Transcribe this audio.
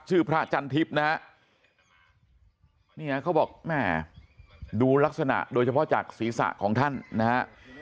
พระจันทิพย์นะฮะเนี่ยเขาบอกแม่ดูลักษณะโดยเฉพาะจากศีรษะของท่านนะฮะ